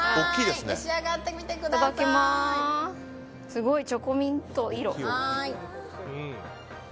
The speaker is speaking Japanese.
すごい、チョコミント色。